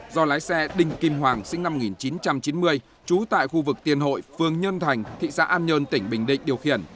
do lái xe đinh kim hoàng sinh năm một nghìn chín trăm chín mươi trú tại khu vực tiền hội phương nhân thành thị xã an nhơn tỉnh bình định điều khiển